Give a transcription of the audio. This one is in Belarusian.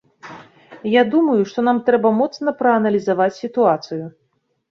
Я думаю, што нам трэба моцна прааналізаваць сітуацыю.